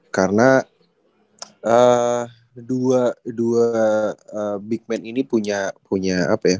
karena dua big man ini punya apa ya